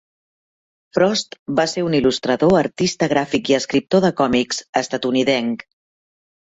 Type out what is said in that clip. Frost, va ser un il·lustrador, artista gràfic i escriptor de còmics estatunidenc.